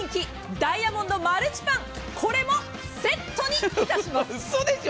ダイヤモンドマルチパンもセットにいたします。